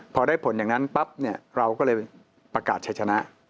พอได้ผลอย่างนั้นปั๊บเนี่ยเราก็เลยประกาศใช้ชนะ